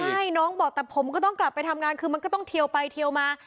ใช่น้องบอกแต่ผมก็ต้องกลับไปทำงานคือมันก็ต้องเทียวไปเทียวมา